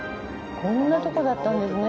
こんなとこだったんですね。